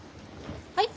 はい？